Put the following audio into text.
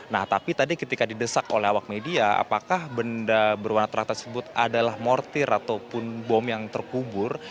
nah tapi tadi ketika didesak oleh awak media apakah benda berwarna terah tersebut adalah mortir ataupun bom yang terkubur